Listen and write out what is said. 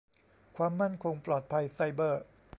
ความมั่นคงปลอดภัยไซเบอร์